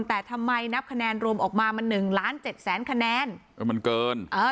แต่ทำไมนับคะแนนรวมออกมามันหนึ่งล้านเจ็ดแสนคะแนนเออมันเกินเออ